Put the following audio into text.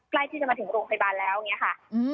ใกล้ที่จะมาถึงโรงพยาบาลแล้วอย่างนี้ค่ะ